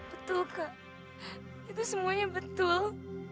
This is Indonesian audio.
betul kak itu semuanya betul